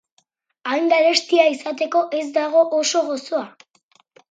Hain garestia izateko, ez dago oso gozoa.